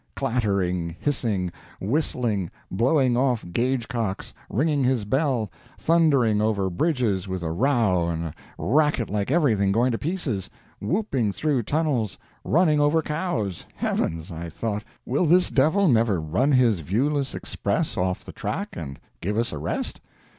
Clattering, hissing, whistling, blowing off gauge cocks, ringing his bell, thundering over bridges with a row and a racket like everything going to pieces, whooping through tunnels, running over cows—Heavens! I thought, will this devil never run his viewless express off the track and give us a rest?